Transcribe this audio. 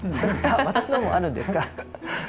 私のもあるんですか？